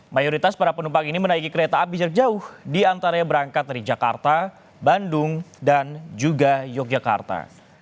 mayoritas para penumpang ini menaiki kereta api jarak jauh diantaranya berangkat dari jakarta bandung dan juga yogyakarta